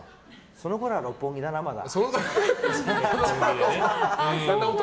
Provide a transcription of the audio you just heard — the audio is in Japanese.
そのころは六本木はまだ。